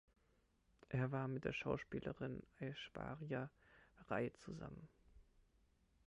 Er war mit der Schauspielerin Aishwarya Rai zusammen.